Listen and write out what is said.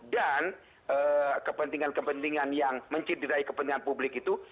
dan kepentingan kepentingan yang mencintai kepentingan publik itu